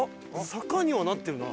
坂にはなってるな。